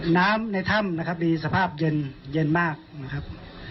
น้ำในถ้ำนะครับมีสภาพเย็นมากนะครับ